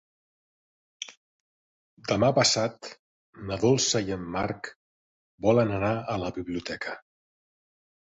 Demà passat na Dolça i en Marc volen anar a la biblioteca.